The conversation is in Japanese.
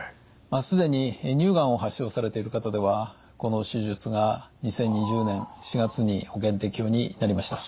既に乳がんを発症されている方ではこの手術が２０２０年４月に保険適用になりました。